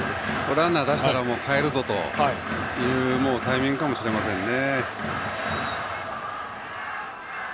ランナーを出したら代えるぞというタイミングかもしれませんね。